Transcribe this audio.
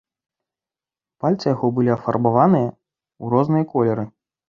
Пальцы яго былі афарбаваны ў розныя колеры.